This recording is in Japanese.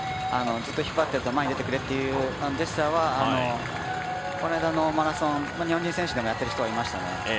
ずっと引っ張っていると前に出てくれというジェスチャーはこの間のマラソン日本人選手でもやっている人はいましたね。